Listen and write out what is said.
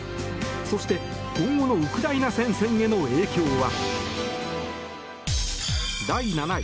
そして、今後のウクライナ戦線への影響は。